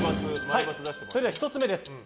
それでは１つ目です。